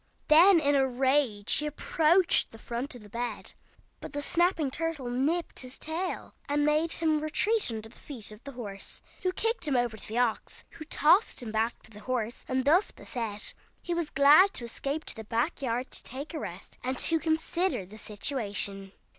Then in a rage he approached the front of the bed, but the snapping turtle nipped his tail, and made him retreat under the feet of the horse, who kicked him over to the ox, who tossed him back to the horse; and thus beset he was glad to escape to the back yard to take a rest, and to consider the situation.